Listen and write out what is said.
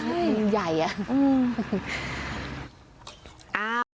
มันใหญ่อะ